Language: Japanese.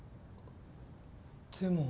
でも。